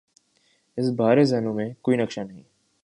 اس بارے ذہنوں میں کوئی نقشہ نہیں۔